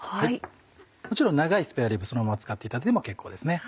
もちろん長いスペアリブそのまま使っていただいても結構ですね。